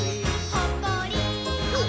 ほっこり。